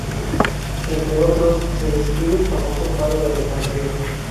Entre otros, se describe el famoso Faro de Alejandría.